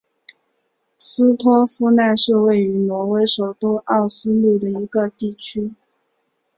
斯托夫奈是位于挪威首都奥斯陆的一个地区。